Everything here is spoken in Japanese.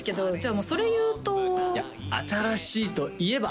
もうそれ言うと新しいといえば？